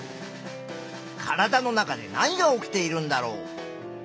体の中で何が起きているんだろう。